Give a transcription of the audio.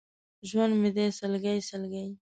ژوند مې دی سلګۍ، سلګۍ!